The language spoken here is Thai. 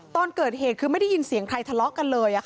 ตอนเกิดเหตุคือไม่ได้ยินเสียงใครทะเลาะกันเลย